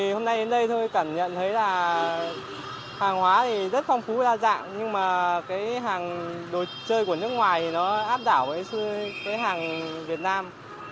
hôm nay đến đây thôi cảm nhận thấy là hàng hóa thì rất phong phú đa dạng nhưng mà cái hàng đồ chơi của nước ngoài nó áp đảo với hàng việt nam